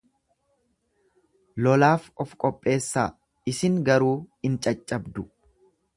Lolaaf of qopheessaa, isin garuu in caccabdu.